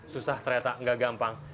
susah ternyata nggak gampang